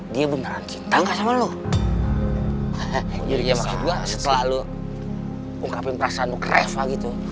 dia beneran cinta nggak sama lu jadi maksud gua setelah lu ungkapin perasaan lu ke reva gitu